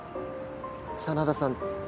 真田さん。